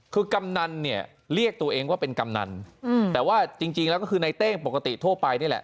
คือกำนันเนี่ยเรียกตัวเองว่าเป็นกำนันแต่ว่าจริงแล้วก็คือในเต้งปกติทั่วไปนี่แหละ